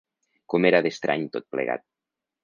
Com era d'estrany tot plegat